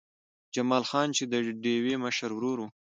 جمال خان چې د ډېوې مشر ورور و